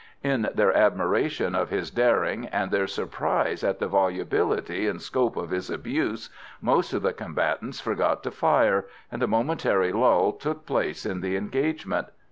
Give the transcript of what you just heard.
In their admiration of his daring, and their surprise at the volubility and scope of his abuse, most of the combatants forgot to fire, and a momentary lull took place in the engagement.